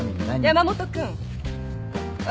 山本君私